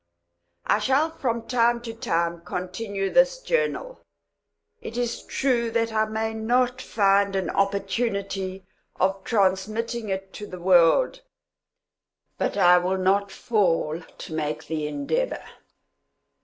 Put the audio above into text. I shall from time to time continue this journal. It is true that I may not find an opportunity of transmitting it to the world, but I will not fall to make the endeavour.